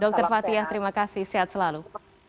dr fathia terima kasih sehat selalu